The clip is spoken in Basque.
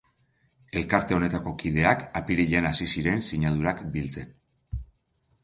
Elkarte honetako kideak apirilean hasi ziren sinadurak biltzen.